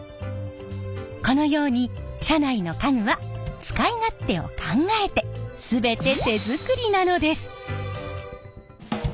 このように車内の家具は使い勝手を考えて全て手作りなのです！